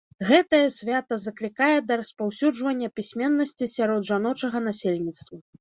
Гэтае свята заклікае да распаўсюджвання пісьменнасці сярод жаночага насельніцтва.